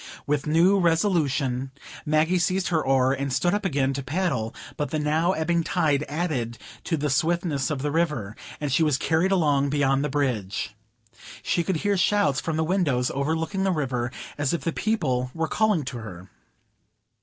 With new resolution, Maggie seized her oar, and stood up again to paddle; but the now ebbing tide added to the swiftness of the river, and she was carried along beyond the bridge. She could hear shouts from the windows overlooking the river, as if the people there were calling to her.